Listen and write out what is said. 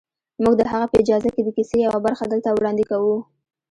موږ د هغه په اجازه د کیسې یوه برخه دلته وړاندې کوو